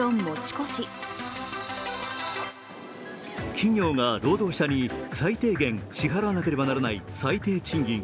企業が労働者に最低限支払わなければならない最低賃金。